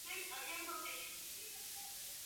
No tiene problemas de insectos y enfermedades.